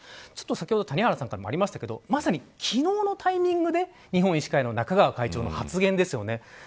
先ほど谷原さんからもありましたが昨日のタイミングで日本医師会の中川会長の発言です。